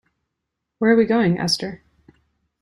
Where are we going, Esther?